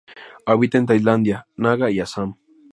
Habita en Tailandia, Naga y Assam.